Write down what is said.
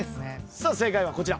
さあ正解はこちら。